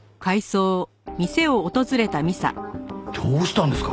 どうしたんですか？